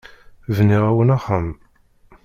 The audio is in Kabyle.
Bniɣ-awen axxam.